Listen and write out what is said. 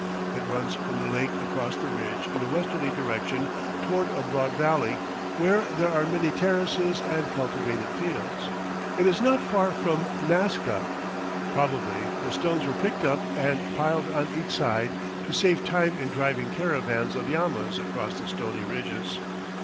It runs from the lake across the ridge in a westerly direction toward a broad valley, where there are many terraces and cultivated fields; it is not far from Nasca. Probably the stones were picked up and piled on each side to save time in driving caravans of llamas across the stony ridges.